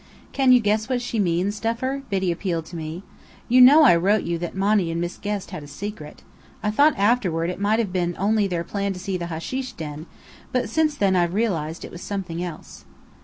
"Can you guess what she means, Duffer?" Biddy appealed to me. "You know I wrote you that Monny and Miss Guest had a secret. I thought afterward it might have been only their plan to see the hasheesh den; but since then I've realized it was something else."